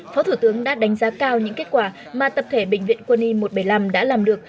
phó thủ tướng đã đánh giá cao những kết quả mà tập thể bệnh viện quân y một trăm bảy mươi năm đã làm được